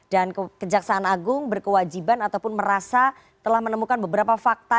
dan kejaksaan agung berkewajiban ataupun merasa telah menemukan beberapa fakta